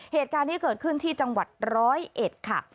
เหตุการณ์นี้เกิดขึ้นที่จังหวัดร้อยเอ็ดค่ะ